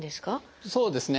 そうですね。